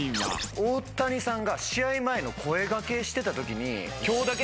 大谷さんが試合前の声掛けしてたときに。